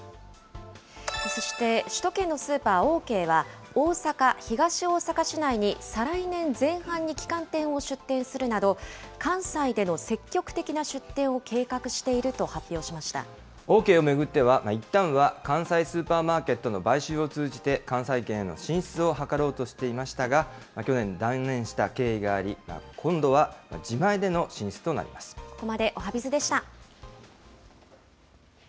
そして首都圏のスーパー、オーケーは、大阪・東大阪市内に再来年前半に旗艦店を出店するなど、関西での積極的な出店を計画してオーケーを巡っては、いったんは関西スーパーマーケットの買収を通じて、関西圏への進出を図ろうとしていましたが、去年、断念した経緯があり、今度は自前でここまでおはＢｉｚでした。